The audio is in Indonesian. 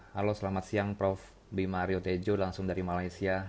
halo selamat siang prof bimario tejo langsung dari malaysia